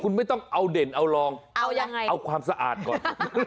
คุณไม่ต้องเอาเด่นเอารองเอาความสะอาดก่อน